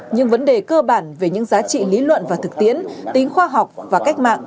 nhưng vấn đề cơ bản về những giá trị lý luận và thực tiễn tính khoa học và cách mạng